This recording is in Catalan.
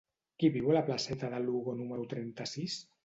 Qui viu a la placeta de Lugo número trenta-sis?